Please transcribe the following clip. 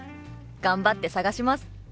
頑張って探します！